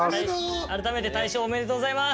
改めて大賞おめでとうございます！